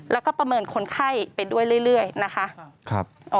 แล้วก็ประเมินคนไข้ไปด้วยเรื่อยนะคะ